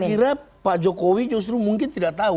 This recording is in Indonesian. saya kira pak jokowi justru mungkin tidak tahu